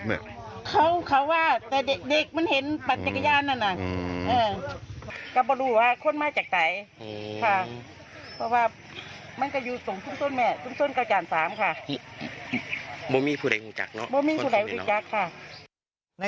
อ้าวแต่คนนี้อาจจะรู้มีข้อมูลบอกแสดงค่ะ